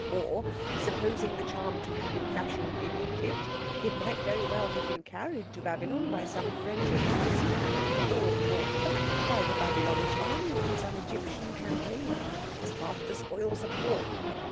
Or, supposing the charm to have been fashioned in Egypt, it might very well have been carried to Babylon by some friendly embassy, or brought back by the Babylonish army from some Egyptian campaign as part of the spoils of war.